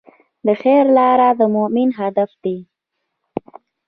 د خیر لاره د مؤمن هدف دی.